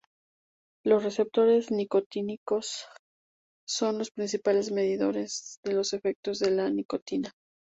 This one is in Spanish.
Los receptores nicotínicos son los principales medidores de los efectos de la nicotina.